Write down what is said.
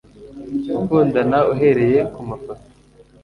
gukundana, uhereye kumafoto